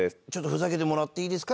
ふざけてもらっていいですか？